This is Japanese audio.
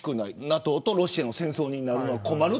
ＮＡＴＯとロシアが戦争になるのは困る。